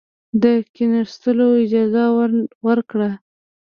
د کښېنستلو اجازه ورکړه.